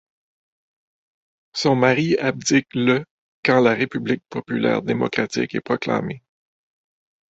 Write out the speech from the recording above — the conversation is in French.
Son mari abdique le quand la République populaire démocratique est proclamée.